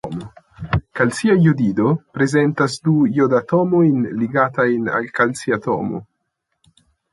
Kalcia jodido prezentas du jodatomojn ligitajn al kalciatomo.